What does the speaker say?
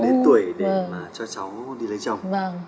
đến tuổi để mà cho cháu đi lấy chồng